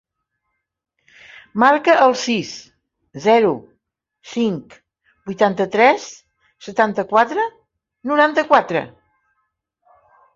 Marca el sis, zero, cinc, vuitanta-tres, setanta-quatre, noranta-quatre.